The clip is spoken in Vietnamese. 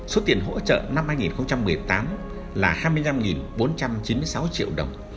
số tiền hỗ trợ năm hai nghìn một mươi tám là hai mươi năm bốn trăm chín mươi sáu triệu đồng